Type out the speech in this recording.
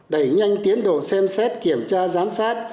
đẩy nhanh tiến độ xem xét kiểm tra giám sát